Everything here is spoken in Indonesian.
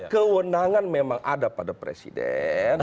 kewenangan memang ada pada presiden